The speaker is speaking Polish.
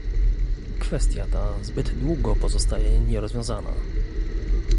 Kwestia ta zbyt długo pozostaje nierozwiązana